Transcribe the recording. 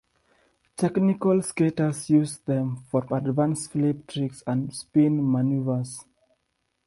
Technical skaters use them for advanced flip tricks and spin maneuvers.